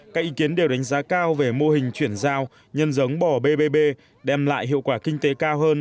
các ý kiến đều đánh giá cao về mô hình chuyển giao nhân giống bò bbb đem lại hiệu quả kinh tế cao hơn